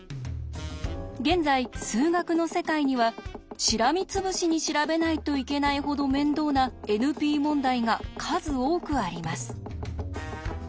現在数学の世界にはしらみつぶしに調べないといけないほど面倒なＮＰ問題が数多くあります。